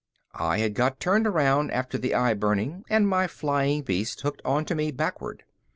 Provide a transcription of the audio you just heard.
I had got turned around after the eye burning and my flying beast hooked onto me backward.